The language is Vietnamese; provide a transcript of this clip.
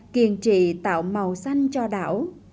kiên trị tạo màu xanh cho đảo